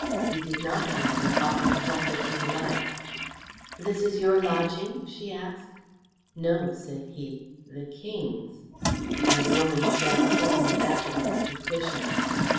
He did not, however, offer to help her to alight. "This is your lodging?" she asked. "No," said he, "the King's;" and the woman shrank suddenly back amongst her cushions.